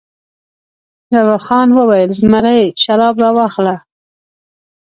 جبار خان وویل: زمري شراب راواخله.